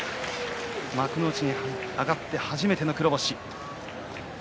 幕内に上がって初めての黒星